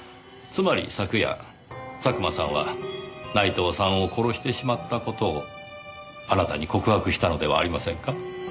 つまり昨夜佐久間さんは内藤さんを殺してしまった事をあなたに告白したのではありませんか？